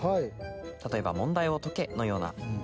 例えば「問題を解け」のような。